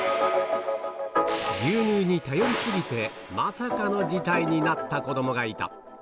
牛乳に頼り過ぎて、まさかの事態になった子どもがいた。